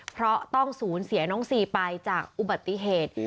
เพราะต้องสูญเสียน้องซีไปจากอุบัติเหตุ